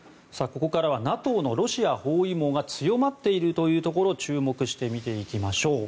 ここからはＮＡＴＯのロシア包囲網が強まっているというところに注目して見ていきましょう。